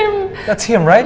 itu dia kan